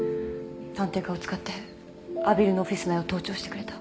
探偵課を使って阿比留のオフィス内を盗聴してくれた。